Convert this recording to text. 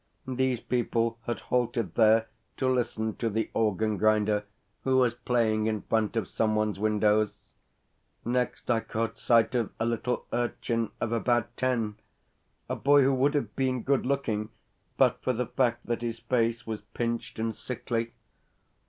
These people had halted there to listen to the organ grinder, who was playing in front of some one's windows. Next, I caught sight of a little urchin of about ten a boy who would have been good looking but for the fact that his face was pinched and sickly.